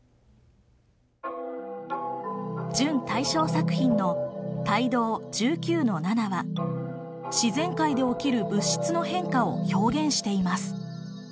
準大賞作品の「胎動’１９−７」は自然界で起きる物質の変化を表現しています。